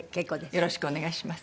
よろしくお願いします。